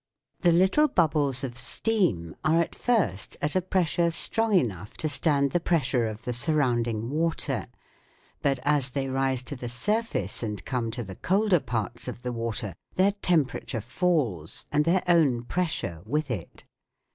The little bubbles of steam are at first at a pressure strong enough to stand the pressure of the surrounding water ; but as they rise to the surface and come to the colder parts of the water, their temperature falls, and their own pressure with it.